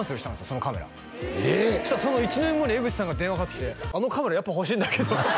そのカメラそしたらその１年後に江口さんから電話かかってきて「あのカメラやっぱ欲しいんだけど」